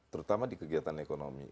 terutama di kegiatan ekonomi